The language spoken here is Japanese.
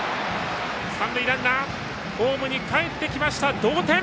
三塁ランナー、ホームにかえって同点！